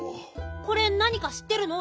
これなにかしってるの？